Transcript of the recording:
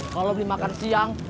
kalau beli makan siang